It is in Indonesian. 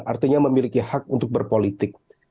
artinya memiliki hak untuk berpolitik